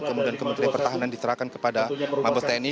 kemudian kementerian pertahanan diserahkan kepada mabes tni